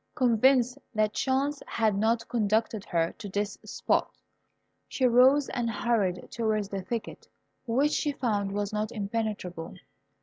Convinced that chance had not conducted her to this spot, she rose and hurried towards the thicket, which she found was not impenetrable.